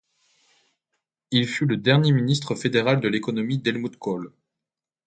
Il fut le dernier ministre fédéral de l'Économie d'Helmut Kohl.